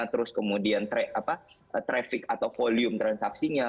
terus kemudian traffic atau volume transaksinya